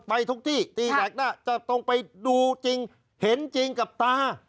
ไปทุกที่ตีแสกหน้าจะต้องไปดูจริงเห็นจริงกับตา